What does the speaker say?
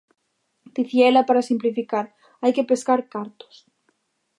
Dicía ela para simplificar: hai que pescar cartos.